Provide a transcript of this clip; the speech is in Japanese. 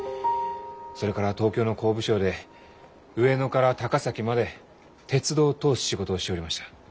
それから東京の工部省で上野から高崎まで鉄道を通す仕事をしよりました。